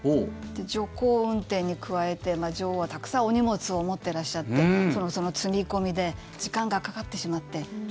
徐行運転に加えて女王はたくさんお荷物を持ってらっしゃってその積み込みで時間がかかってしまって。